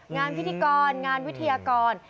งานพิธีกรงานวิทยากร